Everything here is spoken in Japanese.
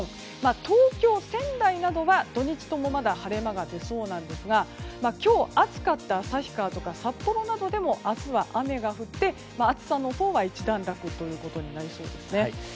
東京、仙台などは土日とも晴れ間が出そうですが今日、暑かった旭川や札幌でも明日は雨が降って、暑さのほうは一段落となりそうです。